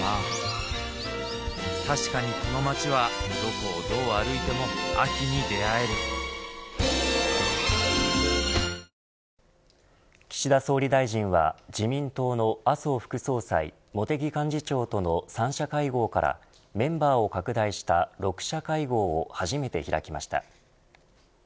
こういうのがうめぇ「ニッポンのシン・レモンサワー」うめぇ岸田総理大臣は自民党の麻生副総裁茂木幹事長との３者会合からメンバーを拡大した６者会合を初めて開きました。